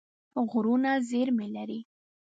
غرونه زېرمې لري.